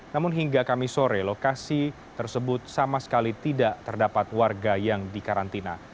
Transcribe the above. namun hingga kami sore lokasi tersebut sama sekali tidak terdapat warga yang dikarantina